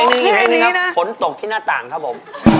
มีเพลงนี้ครับฝนตกที่หน้าต่างครับผม